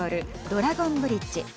ドラゴンブリッジ。